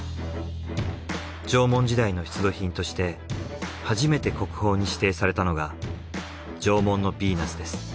縄文時代の出土品として初めて国宝に指定されたのが『縄文のビーナス』です。